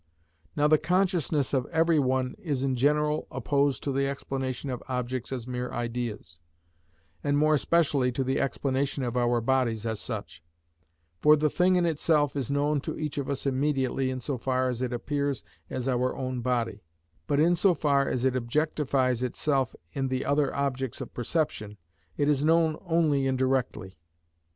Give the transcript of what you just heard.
Now the consciousness of every one is in general opposed to the explanation of objects as mere ideas, and more especially to the explanation of our bodies as such; for the thing in itself is known to each of us immediately in so far as it appears as our own body; but in so far as it objectifies itself in the other objects of perception, it is known only indirectly.